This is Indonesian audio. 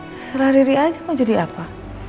terserah diri aja mau jadi apa